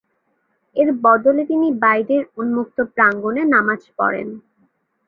এর বদলে তিনি বাইরের উম্মুক্ত প্রাঙ্গনে নামাজ পড়েন।